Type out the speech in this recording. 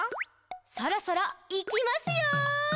「そろそろ、いきますよ！」